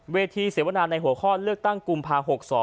เสวนาในหัวข้อเลือกตั้งกุมภา๖๒